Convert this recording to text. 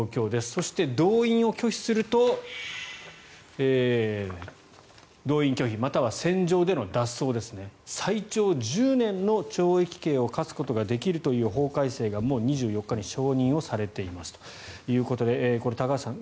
そして、動員を拒否すると動員拒否または戦場での脱走ですね最長１０年の懲役刑を科すことができるという法改正がもう２４日に承認されていますということでこれ、高橋さん